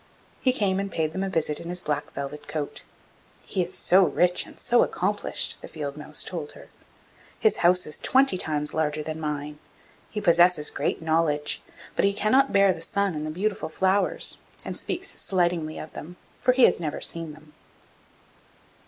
He came and paid them a visit in his black velvet coat. 'He is so rich and so accomplished,' the field mouse told her. 'His house is twenty times larger than mine; he possesses great knowledge, but he cannot bear the sun and the beautiful flowers, and speaks slightingly of them, for he has never seen them.